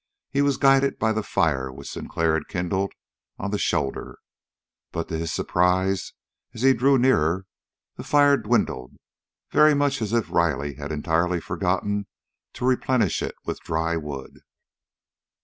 He was guided by the fire which Sinclair had kindled on the shoulder, but to his surprise, as he drew nearer, the fire dwindled, very much as if Riley had entirely forgotten to replenish it with dry wood.